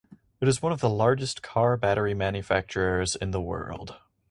It is one of the largest car battery manufacturers in the world.